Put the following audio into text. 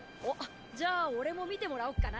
じゃあ俺も見てもらおうかな。